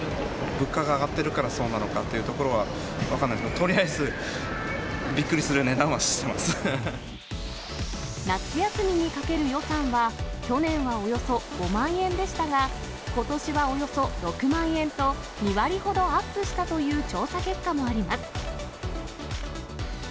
物価が上がってるからそうなのかというところは分からないですけど、とりあえずびっくりする夏休みにかける予算は、去年はおよそ５万円でしたが、ことしはおよそ６万円と、２割ほどアップしたという調査結果もあります。